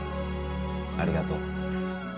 ありがとう